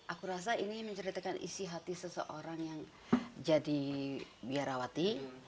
aku rasa ini menceritakan isi hati seseorang yang jadi biarawati